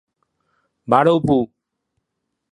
バルブ